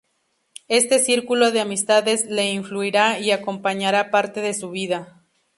Este círculo de amistades le influirá y acompañará parte de su vida.